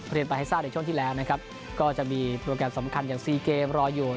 เรียนไปให้ทราบในช่วงที่แล้วนะครับก็จะมีโปรแกรมสำคัญอย่างซีเกมรออยู่